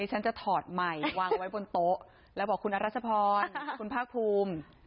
ฉันจะถอดใหม่วางไว้บนโต๊ะแล้วบอกคุณอรัชพรคุณภาคภูมิ